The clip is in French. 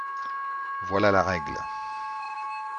Voilà la règle.